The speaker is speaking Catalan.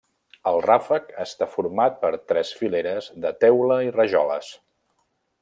El ràfec està format per tres fileres de teula i rajoles.